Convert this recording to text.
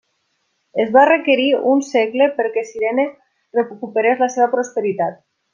Es va requerir un segle perquè Cirene recuperés la seva prosperitat.